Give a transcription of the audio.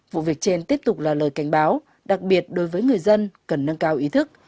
vụ việc trên tiếp tục là lời cảnh báo đặc biệt đối với người dân cần nâng cao ý thức